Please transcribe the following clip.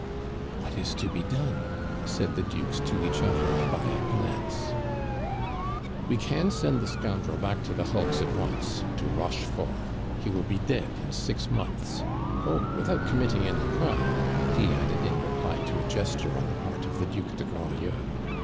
"What is to be done?" said the Dukes to each other by a glance. "We can send the scoundrel back to the hulks at once to Rochefort; he will be dead in six months! Oh! without committing any crime," he added, in reply to a gesture on the part of the Duc de Grandlieu.